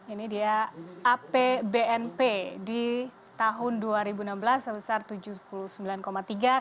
ini dia apbnp di tahun dua ribu enam belas sebesar rp tujuh puluh sembilan tiga triliun